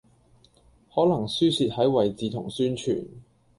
可能輸蝕喺位置同宣傳